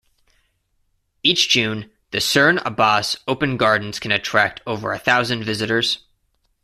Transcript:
Each June, the Cerne Abbas Open Gardens can attract over a thousand visitors.